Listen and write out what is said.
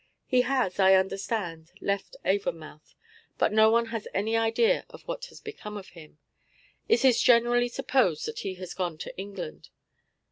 He has, I understand, left Avonmouth, but no one has any idea what has become of him. It is generally supposed that he has gone to England.